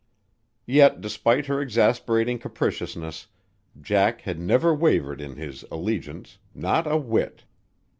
Yet despite her exasperating capriciousness, Jack had never wavered in his allegiance, not a whit.